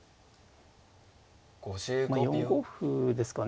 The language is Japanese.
まあ４五歩ですかね。